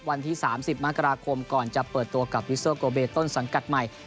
วันที่๓๐มกราคมก่อนจะเปิดตัวกับวิโซโกเบต้นสังกัดใหม่